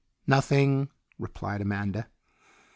"Nothing," replied Amanda.